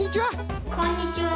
こんにちは！